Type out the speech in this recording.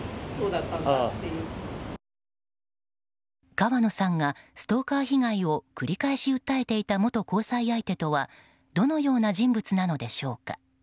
川野さんがストーカー被害を繰り返し訴えていた元交際相手とはどのような人物なのでしょうか。